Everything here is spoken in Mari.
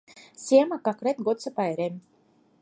Семык — акрет годсо пайрем.